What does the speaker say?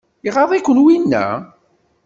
Iɣaḍ-iken winna?